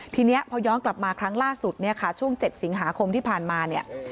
ทีนี้พอย้อนกลับมาครั้งล่าสุดเนี่ยค่ะช่วง๗สิงหาคมที่ผ่านมาเนี่ย